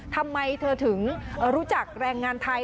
ทำไมเธอถึงรู้จักแรงงานไทย